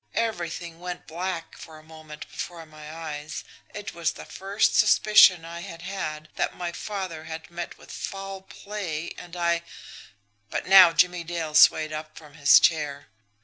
Everything went black for a moment before my eyes. It was the first suspicion I had had that my father had met with foul play, and I " But now Jimmie Dale swayed up from his chair.